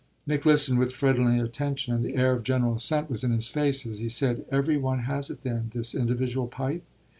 Nick listened with friendly attention and the air of general assent was in his face as he said: "Every one has it then, this individual pipe?"